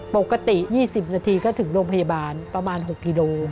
ปกติ๒๐นาทีก็ถึงโรงพยาบาลประมาณ๖กิโล